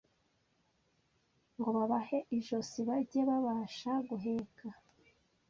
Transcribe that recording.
ngo babahe ijosi bajye babasha guheka